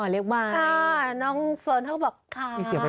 อ๋อเรียกใบอ่าน้องเฟิร์นเขาก็บอกคะ